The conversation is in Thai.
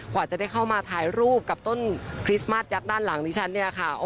กว่าจะได้เข้ามาถ่ายรูปกับต้นคริสต์มาสยักษ์ด้านหลังดิฉันเนี่ยค่ะ